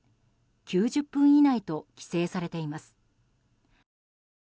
９０分以内と規制されています。